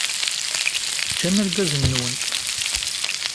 Teǧǧamt irgazen-nwent.